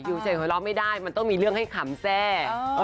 เฉยหัวเราะไม่ได้มันต้องมีเรื่องให้ขำแทรก